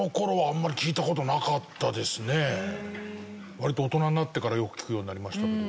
割と大人になってからよく聞くようになりましたけど。